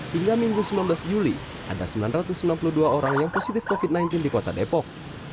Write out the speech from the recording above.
hingga minggu sembilan belas juli ada sembilan ratus sembilan puluh dua orang yang positif covid sembilan belas di kota depok